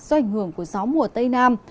do ảnh hưởng của gió mùa tây nam